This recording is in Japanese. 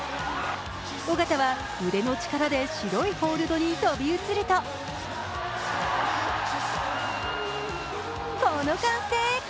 緒方は腕の力で白いホールドに飛び移るとこの歓声。